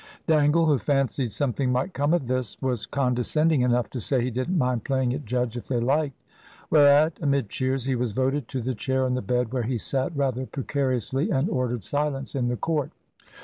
Dangle, who fancied something might come of this, was condescending enough to say he didn't mind playing at judge, if they liked. Whereat, amid cheers, he was voted to the chair on the bed, where he sat rather precariously, and ordered silence in the court.